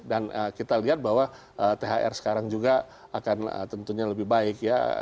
dan kita lihat bahwa thr sekarang juga akan tentunya lebih baik ya